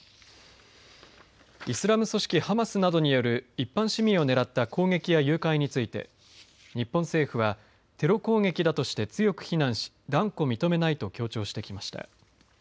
イスラム組織ハマスなどによる一般市民を狙った攻撃や誘拐について日本政府はテロ攻撃だとして強く非難し、断固認めないと強調してきました。